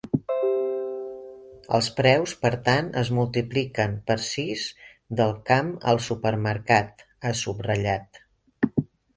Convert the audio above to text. “Els preus, per tant, es multipliquen per sis del camp al supermercat”, ha subratllat.